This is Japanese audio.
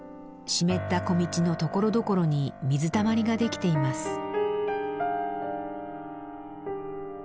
湿った小道のところどころに水たまりが出来ています。